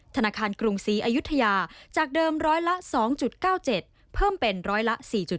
ธนาคารกรุงศรีอายุทยาจากเดิมร้อยละ๒๙๗เพิ่มเป็นร้อยละ๔๗